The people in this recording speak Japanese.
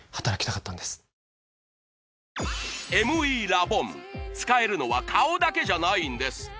ＭＥラボン使えるのは顔だけじゃないんです